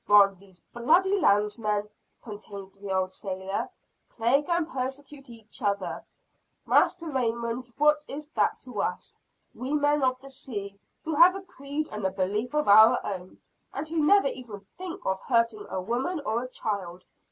While these bloody landsmen," continued the old sailor, "plague and persecute each other, Master Raymond, what is that to us, we men of the sea, who have a creed and a belief of our own, and who never even think of hurting a woman or a child?